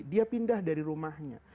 dia pindah dari rumahnya